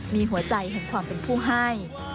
มีหัวใจแห่งความเป็นผู้ให้